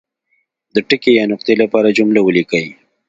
د ټکي یا نقطې لپاره جمله ولیکي.